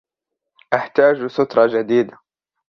أحتاج سترة جديدة